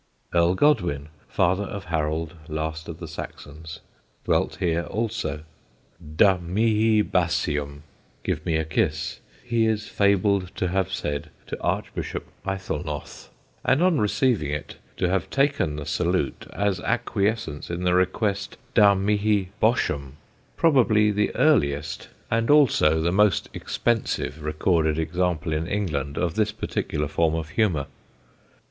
[Sidenote: A COSTLY PUN] Earl Godwin, father of Harold, last of the Saxons, dwelt here also. "Da mihi basium" give me a kiss he is fabled to have said to Archbishop Aethelnoth, and on receiving it to have taken the salute as acquiescence in the request "Da mihi Bosham": probably the earliest and also the most expensive recorded example in England of this particular form of humour.